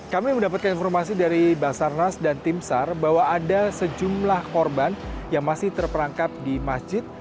kami mendapatkan informasi dari basarnas dan tim sar bahwa ada sejumlah korban yang masih terperangkap di masjid